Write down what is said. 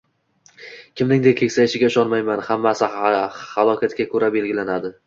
Kimningdir keksayishiga ishonmayman. Hammasi harakatga ko’ra belgilanadi.